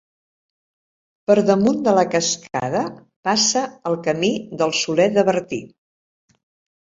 Per damunt de la cascada passa el Camí del Soler de Bertí.